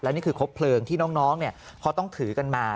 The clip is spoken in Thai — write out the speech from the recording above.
แล้วนี่คือคบเพลิงที่น้องเนี่ยพอต้องถือกันมา